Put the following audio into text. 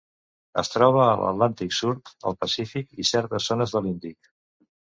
Es troba a l'Atlàntic sud, el Pacífic i certes zones de l'Índic.